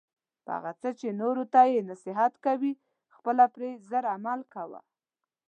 په هغه څه چې نورو ته یی نصیحت کوي خپله پری زر عمل کوه